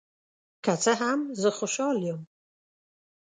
که څه هم، زه خوشحال یم.